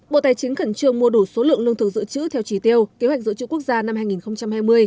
bộ tài chính khẩn trương mua đủ số lượng lương thực dự trữ theo trí tiêu kế hoạch dự trữ quốc gia năm hai nghìn hai mươi